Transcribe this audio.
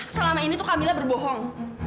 selama ini tuh kak mila berbohong